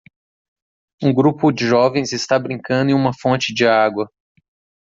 Um grupo de jovens está brincando em uma fonte de água.